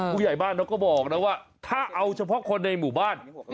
ผู้ใหญ่บ้านเขาก็บอกนะว่าถ้าเอาเฉพาะคนในหมู่บ้าน